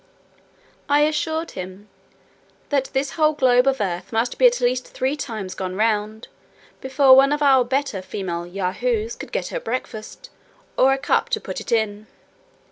I assured him "that this whole globe of earth must be at least three times gone round before one of our better female Yahoos could get her breakfast, or a cup to put it in."